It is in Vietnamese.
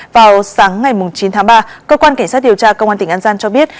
vào sáng ngày chín tháng ba cơ quan cảnh sát điều tra công an tỉnh an giang cho biết